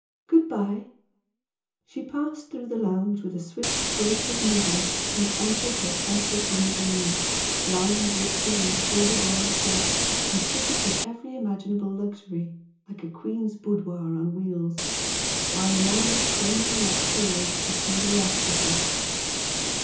Good bye!" She passed through the lounge with a swift grace of movement and entered her sumptuous limousine, lined richly in corded rose silk and fitted with every imaginable luxury like a queen's boudoir on wheels, while Manella craned her neck forward to see the last of her.